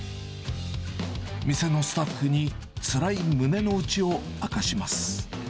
店のスタッフにつらい胸の内を明かします。